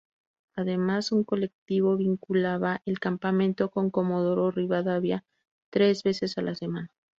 Además, un colectivo vinculaba el campamento con Comodoro Rivadavia tres veces a la semana.